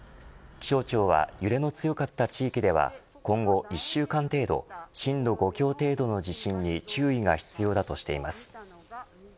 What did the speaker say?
気象庁は揺れの強かった地域では今後１週間程度震度５強程度の地震に注意が必要だとしています。